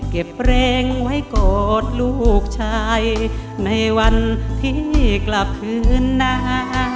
เก็บเพลงไว้กอดลูกชายในวันที่กลับคืนหน้า